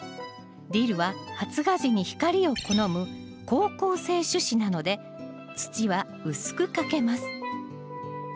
ディルは発芽時に光を好む好光性種子なので土は薄くかけます。